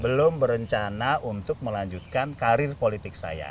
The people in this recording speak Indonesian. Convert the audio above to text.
belum berencana untuk melanjutkan karir politik saya